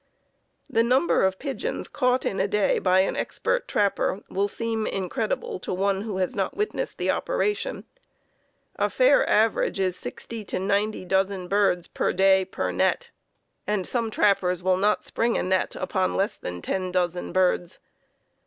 The number of pigeons caught in a day by an expert trapper will seem incredible to one who has not witnessed the operation. A fair average is sixty to ninety dozen birds per day per net and some trappers will not spring a net upon less than ten dozen birds.